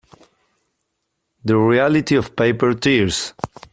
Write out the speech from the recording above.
The reality of paper tears.